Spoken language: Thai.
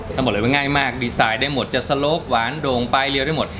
ทั้งหมดเลยว่าง่ายมากดีไซน์ได้หมดจะสโลปหวานโด่งปลายเรียวได้หมด